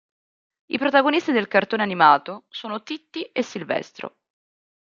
I protagonisti del cartone animato sono Titti e Silvestro.